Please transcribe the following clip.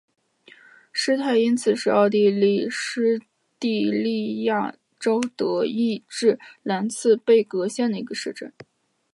施泰因茨是奥地利施蒂利亚州德意志兰茨贝格县的一个市镇。